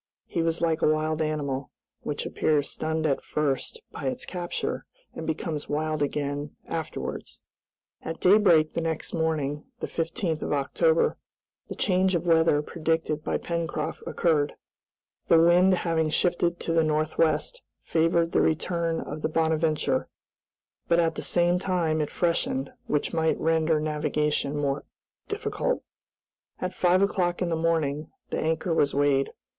He was like a wild animal, which appears stunned at first by its capture, and becomes wild again afterwards. At daybreak the next morning, the 15th of October, the change of weather predicted by Pencroft occurred. The wind having shifted to the northwest favored the return of the "Bonadventure," but at the same time it freshened, which might render navigation more difficult. At five o'clock in the morning the anchor was weighed.